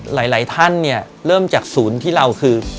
หลายท่านเนี่ยเริ่มจากศูนย์ที่เราคือ